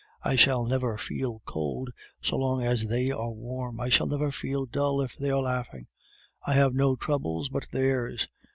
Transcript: I shall never feel cold so long as they are warm; I shall never feel dull if they are laughing. I have no troubles but theirs.